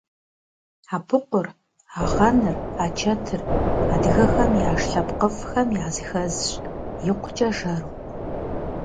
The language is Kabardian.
Абыкъур, агъэныр, ачэтыр - адыгэхэм яш лъэпкъыфӏхэм языхэзщ, икъукӏэ жэру.